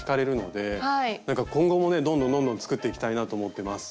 なんか今後もねどんどんどんどん作っていきたいなと思ってます。